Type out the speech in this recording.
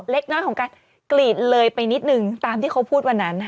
เล็กน้อยของการกรีดเลยไปนิดนึงตามที่เขาพูดวันนั้น